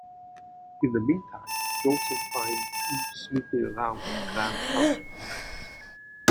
In the meantime, Dawson finds Eve snooping around in Grams's house one night.